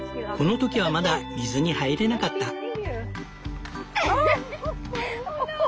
この時はまだ水に入れなかった。